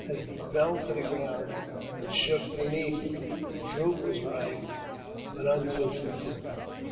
As he fell to the ground it shook beneath him : the fruit was ripe, but unfit for food.